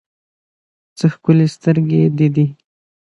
څه ښکلي سترګې دې دي